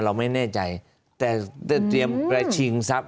แต่เราไม่แน่ใจแต่เป้าหมายว่าชิงทรัพย์